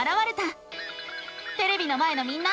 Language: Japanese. テレビの前のみんな！